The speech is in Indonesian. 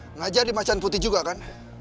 lo ngajar di masjid putih juga kan